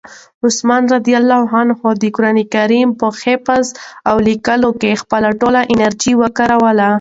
عثمان رض د قرآن کریم په حفظ او لیکلو کې خپله ټوله انرژي وکاروله.